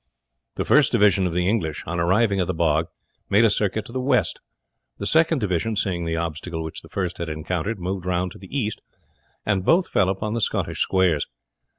The first division of the English on arriving at the bog made a circuit to the west. The second division, seeing the obstacle which the first had encountered, moved round to the east, and both fell upon the Scottish squares.